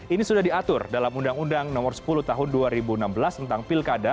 ini sudah diatur dalam undang undang nomor sepuluh tahun dua ribu enam belas tentang pilkada